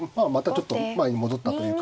ちょっと前に戻ったというか。